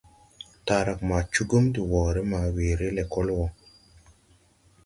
Taarag ma cugum de wɔɔre ma weere lɛkɔl wɔ.